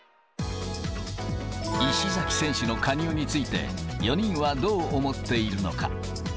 石崎選手の加入について、４人はどう思っているのか。